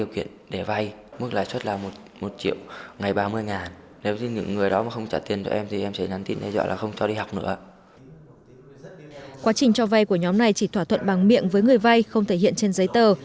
quá trình cho vay của nhóm này chỉ thỏa thuận bằng miệng với người vay không thể hiện trên giấy tờ